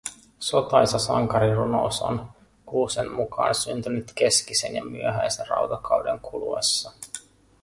Sotaisa sankarirunous on Kuusen mukaan syntynyt keskisen ja myöhäisen rautakauden kuluessa